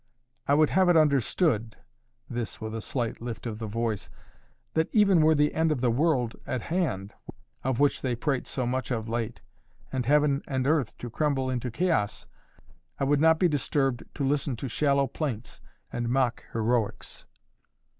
I would have it understood," this with a slight lift of the voice, "that even were the end of the world at hand, of which they prate so much of late, and heaven and earth to crumble into chaos, I would not be disturbed to listen to shallow plaints and mock heroics."